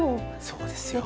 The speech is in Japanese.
そうですよ。